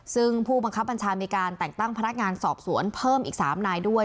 ซึ่งผู้บังคับบัญชามีการแต่งตั้งพนักงานสอบสวนเพิ่มอีก๓นายด้วย